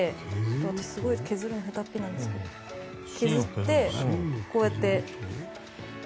私すごい削るの下手っぴなんですけど削って、こうやって。